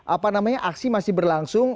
apa namanya aksi masih berlangsung